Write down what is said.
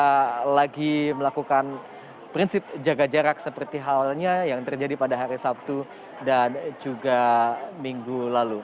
kita lagi melakukan prinsip jaga jarak seperti halnya yang terjadi pada hari sabtu dan juga minggu lalu